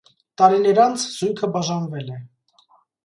Տարիներ անց զույգը բաժանվել է։